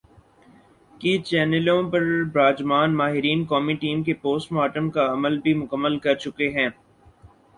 کی چینلوں پر براجمان "ماہرین" قومی ٹیم کے پوسٹ مارٹم کا عمل بھی مکمل کر چکے ہیں ۔